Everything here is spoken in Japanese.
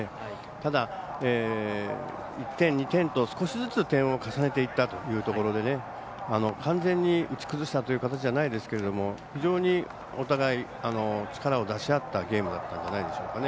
ただ、１点２点と少しずつ点を重ねていったというところで完全に打ち崩したという形ではないですけども非常に、お互い力を出し合ったゲームだったんじゃないでしょうか。